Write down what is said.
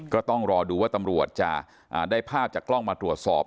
ก็ต้องรอดูว่าตำรวจจะได้ภาพจากกล้องมาตรวจสอบ